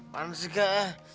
mana sih kak